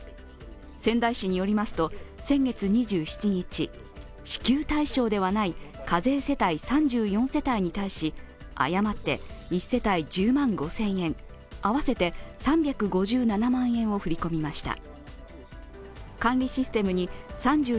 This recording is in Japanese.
仙台市によりますと先月２７日支給対象ではない課税世帯３４世帯に対し誤って１世帯１０万５０００円、合わせて３５７万円を振り込みました。